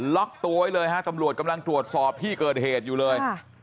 ล็อกตัวไว้เลยฮะตำรวจกำลังตรวจสอบที่เกิดเหตุอยู่เลย